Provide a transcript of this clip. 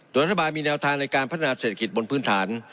โดยรัฐบาลมีแนวทางในการพัฒนาเศรษฐกิจบนพื้นฐาน